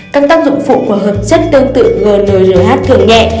các tác dụng phụ của khẩu chất tương tự gnrh thường nhẹ